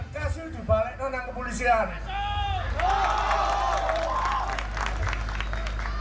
kami berdoa untuk kejaksaan dan kepolisian